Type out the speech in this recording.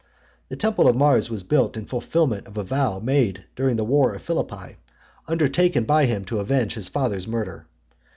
The temple of Mars was built in fulfilment of a vow made during the war of Philippi, undertaken by him to avenge his father's murder.